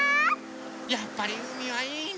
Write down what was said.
やっぱりうみはいいね。